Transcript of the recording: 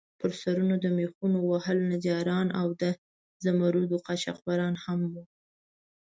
پر سرونو د میخونو وهلو نجاران او د زمُردو قاچاقبران هم وو.